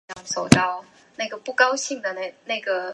古座川町是和歌山县的一町。